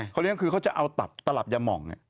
เขาเลี้ยงคือเขาจะเอาตัดตลับยาหม่อง